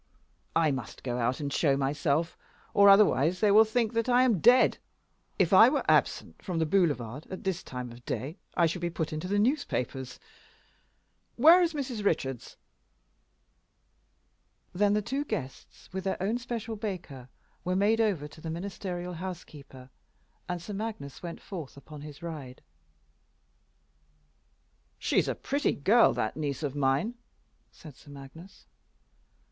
I must go out and show myself, or otherwise they'll all think that I am dead. If I were absent from the boulevard at this time of day I should be put into the newspapers. Where is Mrs. Richards?" Then the two guests, with their own special Baker, were made over to the ministerial house keeper, and Sir Magnus went forth upon his ride. "She's a pretty girl, that niece of mine," said Sir Magnus.